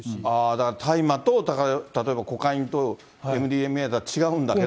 だから、大麻と例えばコカインとＭＤＭＡは違うんだけど。